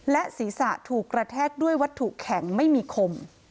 และศีรษะถูกกระแทกด้วยวัตถุแข็งไม่มีคม